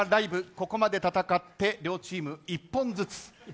ここまで戦って両チーム１本ずつ。